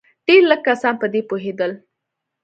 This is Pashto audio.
ډېر لږ کسان په دې پوهېدل.